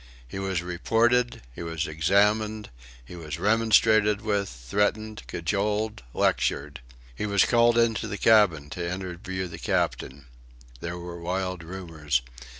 He was reported, he was examined; he was remonstrated with, threatened, cajoled, lectured. He was called into the cabin to interview the captain. There were wild rumours.